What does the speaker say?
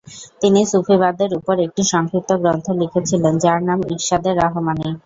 তিনি সুফিবাদের উপর একটি সংক্ষিপ্ত গ্রন্থ লিখেছিলেন, যার নাম ইরশাদে রহমানি।